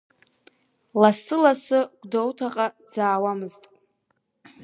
Лассы-лассы Гәдоуҭаҟа дзаауамызт.